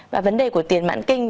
và vấn đề của tiền mạng kinh